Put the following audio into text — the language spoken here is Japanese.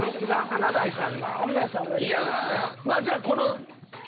華大さん。